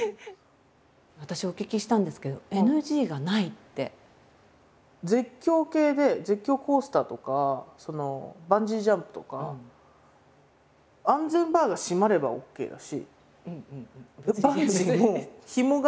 私お聞きしたんですけど絶叫系で絶叫コースターとかバンジージャンプとか安全バーが閉まればＯＫだしバンジーもひもが丈夫であればＯＫだし。